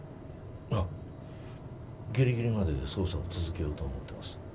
あっギリギリまで捜査を続けようと思ってます。